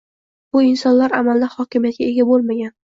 Bu insonlar amalda hokimiyatga ega bo‘lmagan